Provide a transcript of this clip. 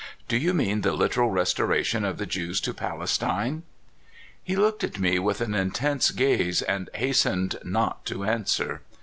" Do you mean the literal restoration of the Jews to Palestine ?" He looked at me with an intense gaze, and has tened not to answer.